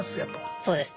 そうですね。